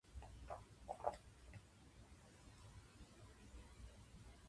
激しくいきどおるさま。まなじりが裂け髪が天をつくという意味。